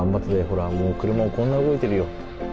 ほらもう車もこんな動いてるよ。